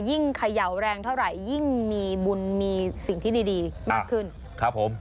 เขย่าแรงเท่าไหร่ยิ่งมีบุญมีสิ่งที่ดีมากขึ้นครับผม